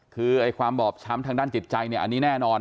คือความบอบช้ำทางด้านจิตใจเนี่ยอันนี้แน่นอน